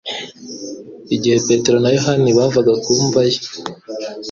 igihe petero na yohana bavaga ku mva ye